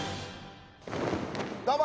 どうも。